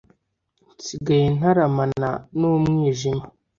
nsigaye ntaramana n'umwijima